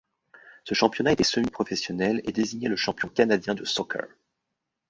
Ce championnat était semi-professionnel et désignait le champion canadien de soccer.